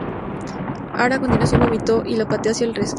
Hart a continuación vomitó, y lo pateó hacia el ringside.